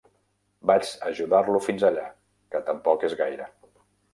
Vaig ajudar-lo fins allà, que tampoc és gaire.